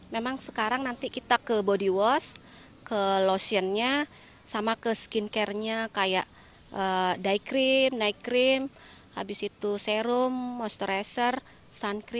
memang sekarang nanti kita ke body wash ke lotionnya sama ke skincarenya kayak dye cream night cream habis itu serum moisturizer sun cream